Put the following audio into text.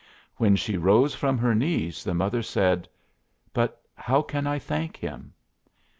When she rose from her knees the mother said, "But how can I thank him?"